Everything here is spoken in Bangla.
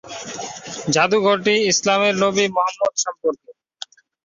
জাদুঘরটি ইসলামের নবী মুহাম্মদ সম্পর্কে।